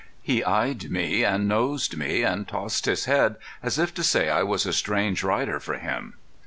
He eyed me, and nosed me, and tossed his head as if to say I was a strange rider for him.